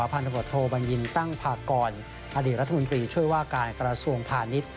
พันธบทโทบัญญินตั้งพากรอดีตรัฐมนตรีช่วยว่าการกระทรวงพาณิชย์